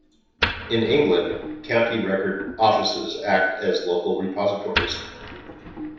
In England, County Record Offices act as local repositories.